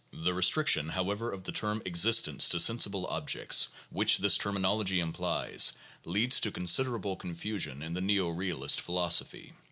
The restriction, however, of the term existence to sensible objects, which this termin ology implies, leads to considerable confusion in the neo realist phi losophy."